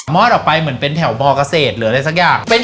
มอดออกไปเหมือนแถวบกระเศษหรืออะไรสักอย่าง